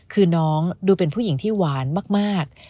คือน้องดูเป็นผู้หญิงที่หวานมาก